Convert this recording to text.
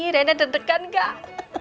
reina deg degan gak